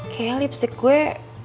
kayaknya lipstick gue